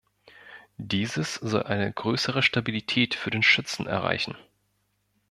Dieses soll eine größere Stabilität für den Schützen erreichen.